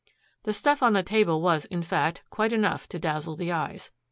The stuff on the table was, in fact, quite enough to dazzle the eyes.